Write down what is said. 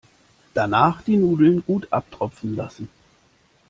Danach die Nudeln gut abtropfen lassen.